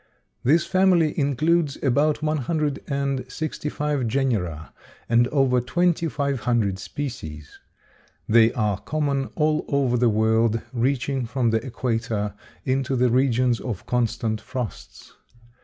This family includes about one hundred and sixty five genera and over twenty five hundred species. They are common all over the world, reaching from the equator into the regions of constant frosts.